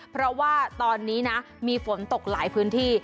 เพราะว่าตอนนี้นะมีฝนตกหลายพื้นที่